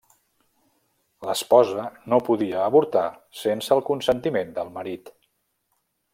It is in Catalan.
L'esposa no podia avortar sense el consentiment del marit.